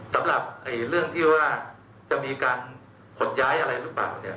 สำหรับเรื่องที่ว่าจะมีการขนย้ายอะไรหรือเปล่าเนี่ย